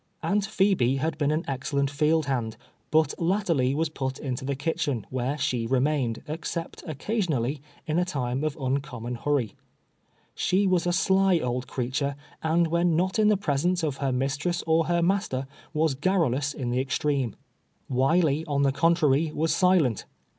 Aunt Phebe had been an excellent field band, but latterly was put into the kitchen, where she remained, except occasionally, in a time of uncommon hurry. She was a sly old creature, and when not in the presence of her mistress or her master, was garrulous in the extreme. AViley, on tbe contrary, was silent.